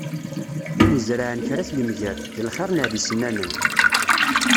Win izerεen kra ad t-yemger, d lxir neɣ d isennanan.